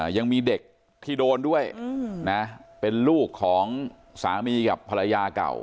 ยังมีเด็กที่โดนด้วยนะเป็นลูกของสามีกับภรรยาเก่า